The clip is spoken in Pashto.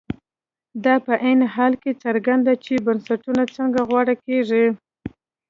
دا په عین حال کې څرګندوي چې بنسټونه څنګه غوره کېږي.